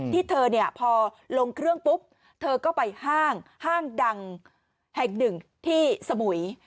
เธอเนี่ยพอลงเครื่องปุ๊บเธอก็ไปห้างห้างดังแห่งหนึ่งที่สมุย